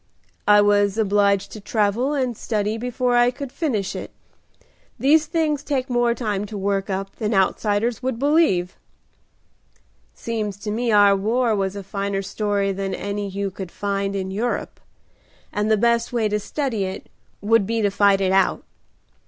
"I was obliged to travel and study before I could finish it. These things take more time to work up than outsiders would believe." "Seems to me our war was a finer story than any you could find in Europe, and the best way to study it would be to fight it out.